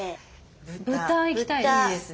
豚いきたいです。